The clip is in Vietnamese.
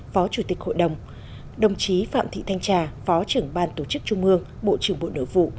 phó chủ tịch hội đồng đồng chí phạm thị thanh trà phó trưởng ban tổ chức trung ương bộ trưởng bộ nội vụ